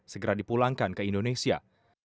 segera dipulangkan ke indonesia